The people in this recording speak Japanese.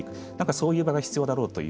そういう場が必要だろう